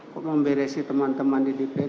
kok memberesin teman teman di dpd